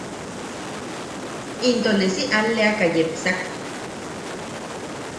Into ne si alleaka yepsak.